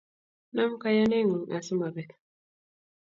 Nam kayanet ng'ung' asimebet